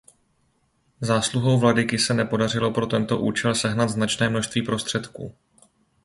Zásluhou vladyky se podařilo pro tento účel sehnat značné množství prostředků.